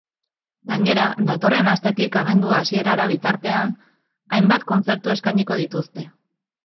Gainera, datorren astetik abendu hasierara bitartean, hainbat kontzertu eskainiko dituzte.